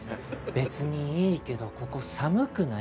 別にいいけどここ寒くない？